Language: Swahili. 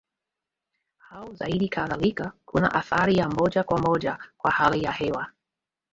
au zaidi Kadhalika kuna athari ya moja kwa moja kwa hali ya hewa